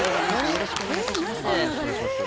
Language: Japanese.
よろしくお願いします